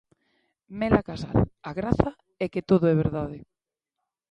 Mela Casal: A graza é que todo é verdade.